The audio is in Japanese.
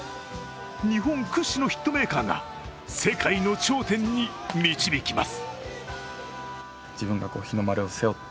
日本屈指のヒットメーカーが世界の頂点に導きます。